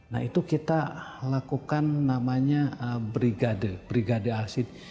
nah itu kita lakukan namanya brigade brigade asyik